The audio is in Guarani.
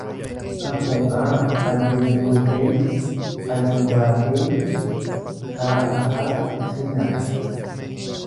apu'ã ajejuruhéi, ajovahéi ha aha kosináme